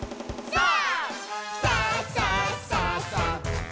さあ！